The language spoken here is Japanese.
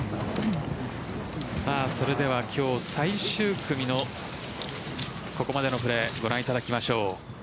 それでは今日最終組のここまでのプレーご覧いただきましょう。